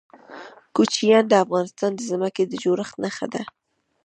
کوچیان د افغانستان د ځمکې د جوړښت نښه ده.